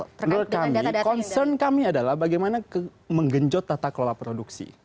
menurut kami concern kami adalah bagaimana menggenjot tata kelola produksi